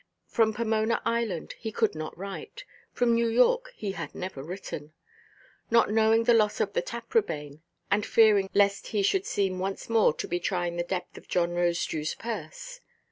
From Pomona Island he could not write; from New York he had never written; not knowing the loss of the Taprobane, and fearing lest he should seem once more to be trying the depth of John Rosedewʼs purse.